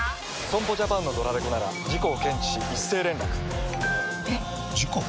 損保ジャパンのドラレコなら事故を検知し一斉連絡ピコンえっ？！事故？！